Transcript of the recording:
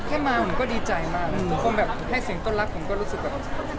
แค่มาผมก็ดีใจมากผมแบบให้เสียงต้นรักผมก็รู้สึกแบบดีใจมาก